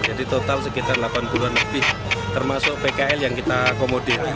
jadi total sekitar delapan puluh an lebih termasuk pkl yang kita komodir